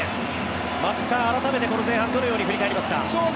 松木さん、改めてこの前半どのように振り返りますか。